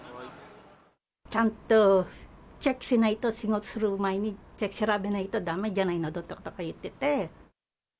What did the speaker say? ちゃんとチェックしないと、仕事する前に調べないとだめじゃないのとかって言ってて。